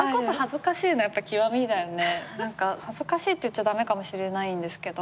何か恥ずかしいって言っちゃ駄目かもしれないんですけど。